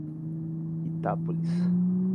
Itápolis